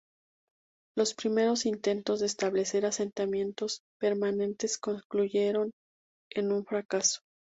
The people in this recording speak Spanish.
Los primeros intentos de establecer asentamientos permanentes concluyeron en un fracaso.